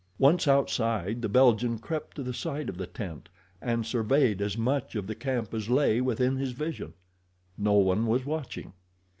Once outside the Belgian crept to the side of the tent and surveyed as much of the camp as lay within his vision—no one was watching.